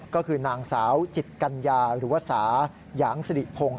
ก็คือนางสาวจิตกัญญาหรือว่าสาหยางสิริพงศ์